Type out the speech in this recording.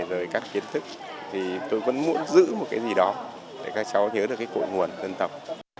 rồi các kiến thức thì tôi vẫn muốn giữ một cái gì đó để các cháu nhớ được cái cội nguồn dân tộc